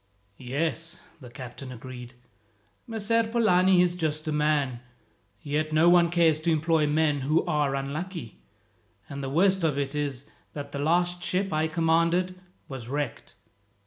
"Yes," the captain agreed. "Messer Polani is a just man, yet no one cares to employ men who are unlucky; and the worst of it is that the last ship I commanded was wrecked.